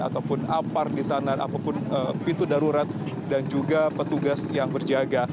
ataupun apar di sana apapun pintu darurat dan juga petugas yang berjaga